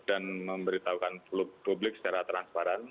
dan memberitahukan publik secara transparan